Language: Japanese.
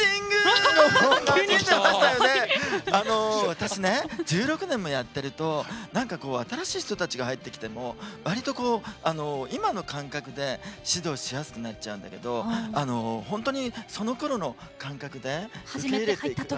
私ね、１６年もやってるとなんか新しい人たちが入ってきてもわりと今の感覚で指導しやすくなっちゃうんだけど本当に、そのころの感覚で受け入れて。